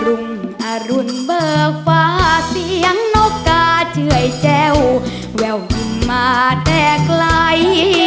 รุงอรุณเบิร์กฟ้าเสียงโน้กกาเจ้วยเจ้าแววยืนมาแต่ไกล